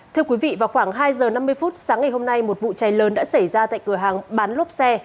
thưa quý vị vào khoảng hai giờ năm mươi phút sáng ngày hôm nay một vụ cháy lớn đã xảy ra tại cửa hàng bán lốp xe